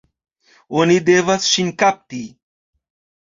Oni devas ŝin kapti!